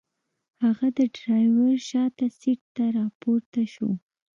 هغه د ډرایور شاته سیټ نه راپورته شو.